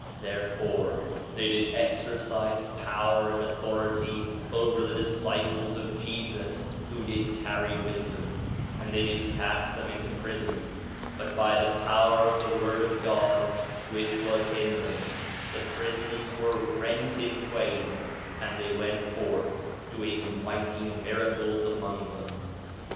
4 Nephi 1:30 Therefore they did exercise power and authority over the disciples of Jesus who did tarry with them, and they did cast them into prison; but by the power of the word of God, which was in them, the prisons were rent in twain, and they went forth doing mighty miracles among them.